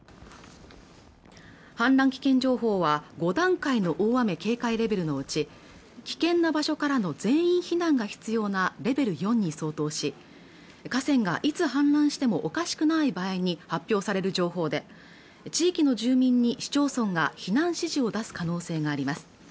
氾濫危険情報は５段階の大雨警戒レベルのうち危険な場所からの全員避難が必要なレベル４に相当し河川がいつ氾濫してもおかしくない場合に発表される情報で地域の住民に市町村が避難指示を出す可能性があります